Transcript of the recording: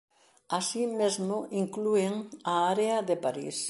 Así mesmo inclúen a área de París.